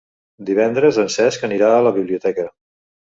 Divendres en Cesc anirà a la biblioteca.